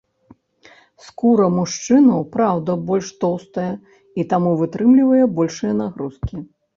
Скура мужчынаў, праўда, больш тоўстая і таму вытрымлівае большыя нагрузкі.